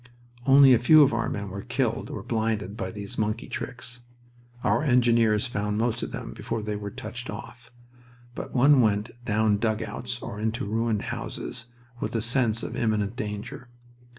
Only a few of our men were killed or blinded by these monkey tricks. Our engineers found most of them before they were touched off, but one went down dugouts or into ruined houses with a sense of imminent danger.